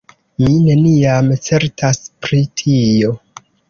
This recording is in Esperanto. Mi neniam certas pri tio!